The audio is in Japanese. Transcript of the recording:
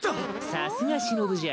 さすがしのぶじゃ。